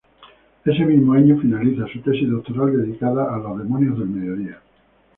Ese mismo año, finaliza su tesis doctoral, dedicada a los demonios del mediodía.